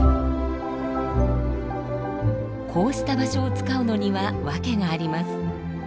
こうした場所を使うのにはわけがあります。